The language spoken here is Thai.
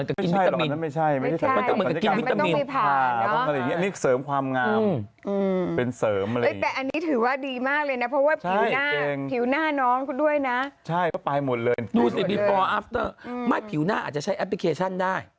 รองประธานเสพติดสายเกมใหม่ประเทศไทยว่าอย่างไรคะคะ